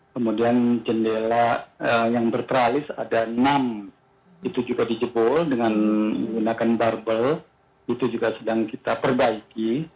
kemudian jendela yang berteralis ada enam itu juga dijebol dengan menggunakan barbel itu juga sedang kita perbaiki